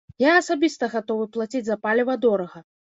Я асабіста гатовы плаціць за паліва дорага.